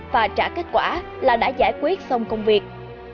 và trả kết quả là đã giải quyết xong công việc